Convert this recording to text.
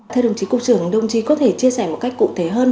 thưa đồng chí cục trưởng đồng chí có thể chia sẻ một cách cụ thể hơn